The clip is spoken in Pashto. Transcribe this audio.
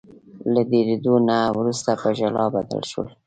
له ډیریدو نه وروسته په ژړا بدل شول.